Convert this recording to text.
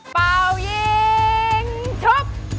เป้ายิงชุบ